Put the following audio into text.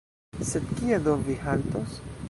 sed kie do vi haltos?